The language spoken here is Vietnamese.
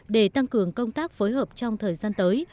để tăng cường công tác phối hợp trong thời gian tới